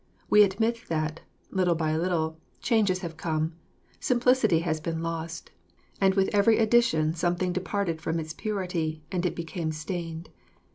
We admit that, little by little, changes have come, simplicity has been lost, and with every addition something departed from its purity and it became stained.